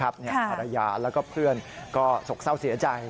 ภรรยาแล้วก็เพื่อนก็สกเศร้าเสียใจ